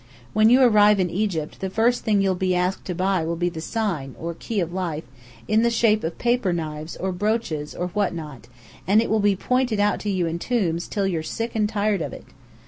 When you arrive in Egypt, the first thing you'll be asked to buy will be the Sign, or Key of Life, in the shape of paper knives or brooches or what not, and it will be pointed out to you in tombs till you're tired and sick of it.